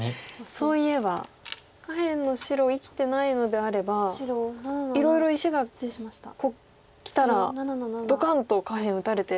そういえば下辺の白生きてないのであればいろいろ石がきたらドカンと下辺打たれて。